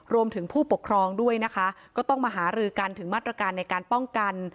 รวมถึงผู้ปกครองด้วยนะคะก็ต้องมาหารือกันถึงมาตรการในการป้องกัน